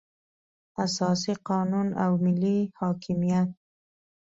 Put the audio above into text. اساسي قانون او ملي حاکمیت.